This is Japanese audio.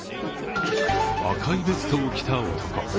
赤いベストを着た男。